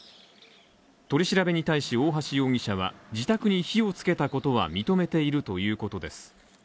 取り調べに対し大橋容疑者は、自宅に火をつけたことは認めているということです。